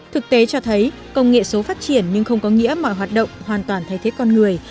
thực tế cho thấy công nghệ số phát triển nhưng không có nghĩa mọi hoạt động hoàn toàn thay thế con người